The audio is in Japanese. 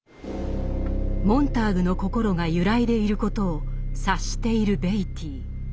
モンターグの心が揺らいでいることを察しているベイティー。